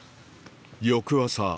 翌朝